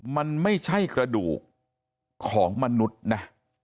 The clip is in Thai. มันไม่ใช่กระดูกของมนุษย์นะ